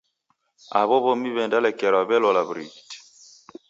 Aw'o w'omi w'endalekerelwa w'elola w'urighiti.